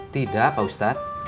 tidak pak ustadz